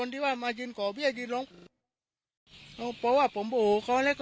ได้กลับแล้ว